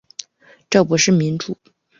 这不是民主